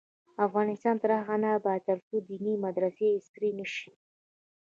افغانستان تر هغو نه ابادیږي، ترڅو دیني مدرسې عصري نشي.